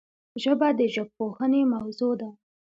ژبه د ژبپوهنې موضوع ده